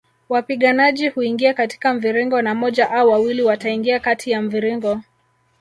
Wapiganaji huingia katika mviringo na moja au wawili wataingia kati ya mviringo